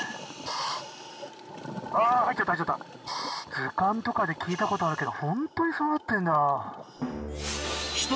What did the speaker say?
図鑑とかで聞いたことあるけどホントにそうなってるんだ。